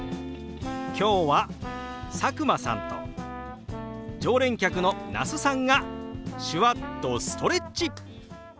今日は佐久間さんと常連客の那須さんが手話っとストレッチ！